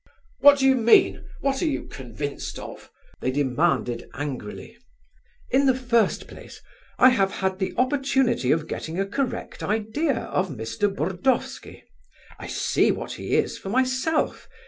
"What do you mean? What are you convinced of?" they demanded angrily. "In the first place, I have had the opportunity of getting a correct idea of Mr. Burdovsky. I see what he is for myself.